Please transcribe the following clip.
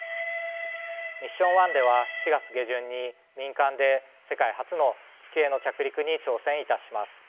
ミッション１では４月下旬に民間で世界初の月への着陸に挑戦いたします。